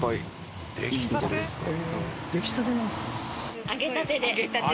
出来たてなんですか？